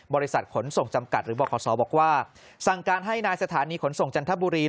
บริษัทขนส่งจำกัดหรือบขบอกว่าสั่งการให้นายสถานีขนส่งจันทบุรี